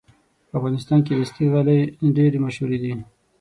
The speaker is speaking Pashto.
په افغانستان کې دستي غالۍ ډېرې مشهورې دي.